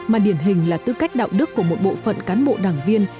mà điển hình là tư cách đạo đức của một bộ phận cán bộ đảng viên